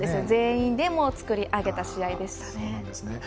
全員で作り上げた試合でしたね。